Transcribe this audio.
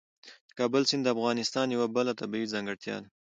د کابل سیند د افغانستان یوه بله طبیعي ځانګړتیا ده.